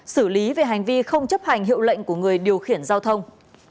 xử lý về hành vi không chấp hành hiệu lệnh của người điều khiển giao thông